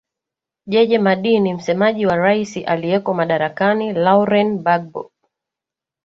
jeje madii ni msemaji wa rais aliyeko madarakani lauren bagbo